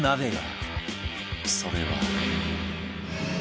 それは